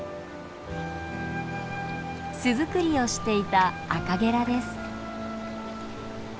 巣づくりをしていたアカゲラです。